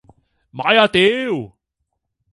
買啊屌！